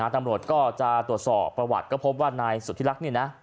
ตำรวจก็จะตรวจสอบประวัติก็พบว่านายสุธิรักษ์นี่นะ